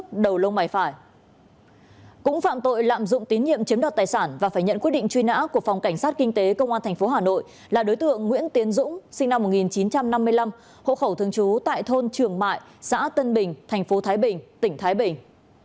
cũng phạm tội lạm dụng tín nhiệm chiếm đoạt tài sản và phải nhận quyết định truy nã của phòng cảnh sát kinh tế công an tp hà nội là đối tượng nguyễn tiến dũng sinh năm một nghìn chín trăm năm mươi năm hộ khẩu thường trú tại thôn trường mại xã tân bình thành phố thái bình tỉnh thái bình